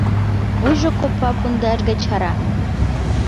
Вуйжо копа пундаш гай чара.